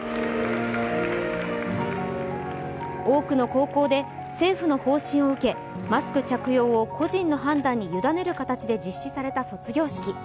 多くの高校で政府の方針を受けマスク着用を個人の判断に委ねる形で実施された卒業式。